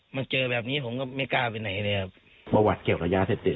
มาเจอแบบนี้ผมก็ไม่กล้าไปไหนเลยครับประวัติเกี่ยวกับยาเสพติด